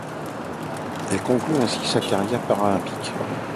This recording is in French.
Elle conclut ainsi sa carrière paralympique.